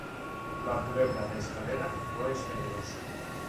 La culebra de escalera no es venenosa.